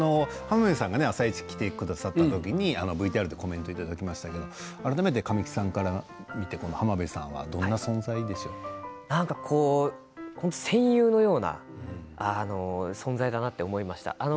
浜辺さんが「あさイチ」来てくださった時にＶＴＲでコメントいただきましたが改めて神木さんから見て戦友のような存在だなと思いました。